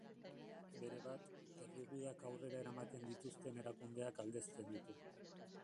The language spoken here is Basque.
Berebat, herri gudak aurrera eramaten dituzten erakundeak aldezten ditu.